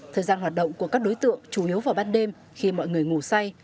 thời gian hoạt động của các đối tượng chủ yếu vào ban đêm khi mọi người ngủ say